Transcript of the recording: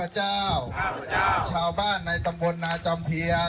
ชาวบ้านในตำบลนาจอมเทียน